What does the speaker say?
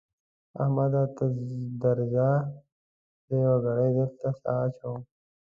احمده ته درځه؛ زه يوه ګړۍ دلته سا اچوم.